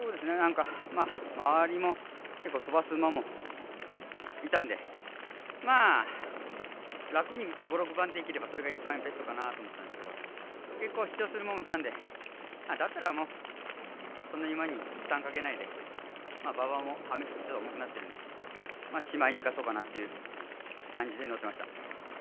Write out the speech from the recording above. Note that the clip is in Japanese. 周りも結構、飛ばす馬もいたんで楽に５６番でいければそれが一番ベストかなと思ったんですけど結構、主張する馬がいたんでだったら、そんなに馬に負担かけないで馬場も雨、降って重くなっているので、しまいにと乗ってました。